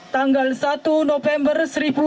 tanggal satu november seribu sembilan ratus sembilan puluh dua